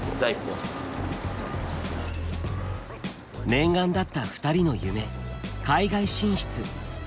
念願だった２人の夢海外進出。